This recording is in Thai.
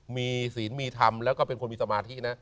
มีศีลมีธรรมแล้วก็เป็นคนมีสมาธินะ